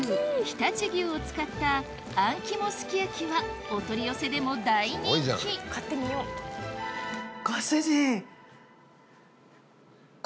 常陸牛を使ったあん肝すき焼きはお取り寄せでも大人気買ってみよう。